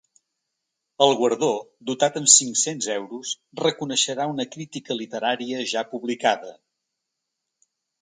El guardó, dotat amb cinc-cents euros, reconeixerà una crítica literària ja publicada.